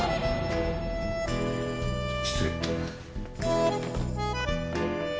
失礼。